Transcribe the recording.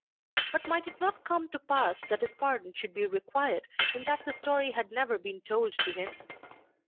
But might it not come to pass that his pardon should be required in that the story had never been told to him?